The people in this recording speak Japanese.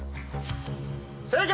正解！